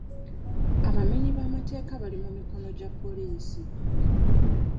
Abamenyi b'amateeka bali mu mikono gya poliisi.